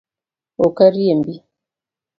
Ok a riembi.